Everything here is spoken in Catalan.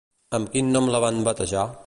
Amb quin nom la van batejar?